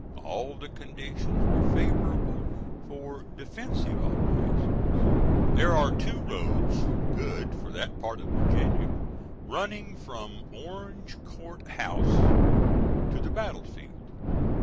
All the conditions were favorable for defensive operations. There are two roads, good for that part of Virginia, running from Orange Court House to the battle field.